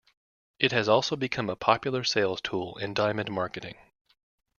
It has also become a popular sales tool in diamond marketing.